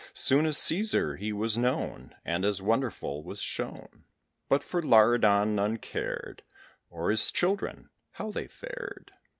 Soon as Cæsar he was known, And as wonderful was shown. But for Laridon none cared, Or his children how they fared.